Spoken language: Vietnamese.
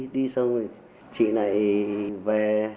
đi xong rồi chị lại về